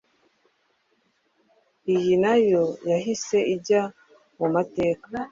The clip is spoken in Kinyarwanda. Iyi nayo yahise ijya mu mateka,